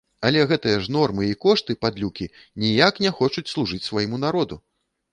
Але ж гэтыя нормы і кошты, падлюкі, ніяк не хочуць служыць свайму народу!